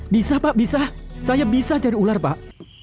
bisa pak bisa saya bisa jadi ular pak